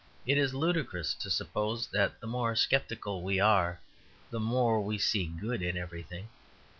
It is ludicrous to suppose that the more sceptical we are the more we see good in everything.